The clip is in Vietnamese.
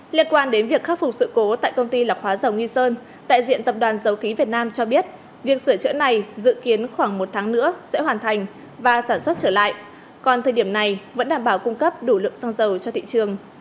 liên quan đến việc khắc phục sự cố tại công ty lọc hóa dầu nghi sơn đại diện tập đoàn dầu khí việt nam cho biết việc sửa chữa này dự kiến khoảng một tháng nữa sẽ hoàn thành và sản xuất trở lại còn thời điểm này vẫn đảm bảo cung cấp đủ lượng xăng dầu cho thị trường